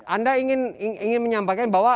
anda ingin menyampaikan bahwa